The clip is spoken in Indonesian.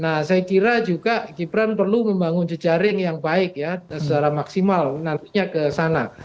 nah saya kira juga gibran perlu membangun jejaring yang baik ya secara maksimal nantinya ke sana